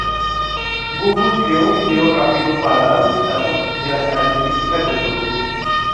Google creó un video rápido para dar un vistazo de las características del producto.